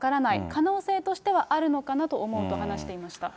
可能性としてはあるのかなと思うと話していました。